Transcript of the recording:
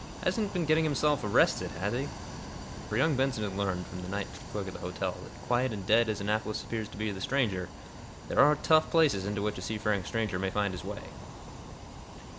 Hasn't been getting himself arrested, has he?" For young Benson had learned, from the night clerk at the hotel, that, quiet and "dead" as Annapolis appears to the stranger, there are "tough" places into which a seafaring stranger may find his way.